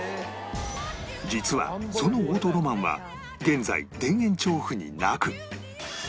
実はそのオートロマンは現在田園調布になく